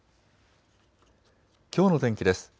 きょうの天気です。